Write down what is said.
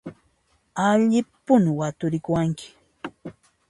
Allimpuni waturikuwanki!